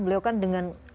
beliau kan dengan